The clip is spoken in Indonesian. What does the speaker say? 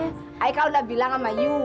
saya kan udah bilang sama you